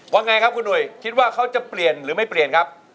ว่าไงครับคุณหนุ่ยคิดว่าเขาจะเปลี่ยนหรือไม่เปลี่ยนครับ